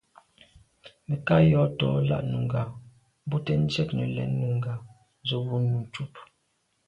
Mə̀kát jɔ́ tɔ̀ɔ́ lá’ nùngà bú tɛ̀ɛ́n ndzjə́ə̀k nə̀ lɛ̀ɛ́n nùngá zə́ bú nùú cúp.